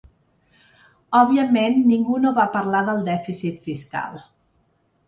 Òbviament, ningú no va parlar del dèficit fiscal.